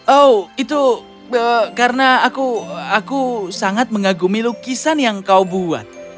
oh itu karena aku sangat mengagumi lukisan yang kau buat